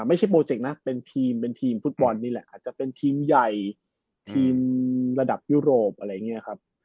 ไม่ใช่โปรเจกต์นะเป็นทีมเป็นทีมฟุตบอลนี่แหละอาจจะเป็นทีมใหญ่ทีมระดับยุโรปอะไรอย่างนี้ครับ